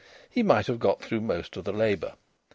he might have got through most of the labour.